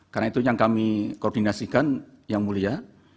karena itu yang kami koordinasikan yang mulia